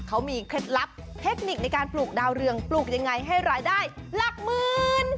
เขามีเคล็ดลับเทคนิคในการปลูกดาวเรืองปลูกยังไงให้รายได้หลักหมื่น